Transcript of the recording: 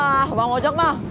ah bang ojok mah